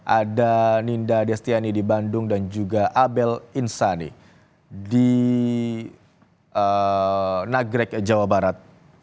ada ninda destiani di bandung dan juga abel insani di nagrek jawa barat